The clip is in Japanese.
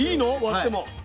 割っても。